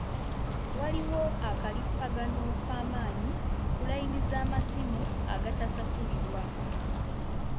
Waliwo akalippagano k'amaanyi ku layini z'amasimu agatasasulirwa.